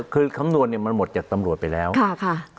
คือคำนวณเนี่ยมันหมดจากตำรวจไปแล้วค่ะ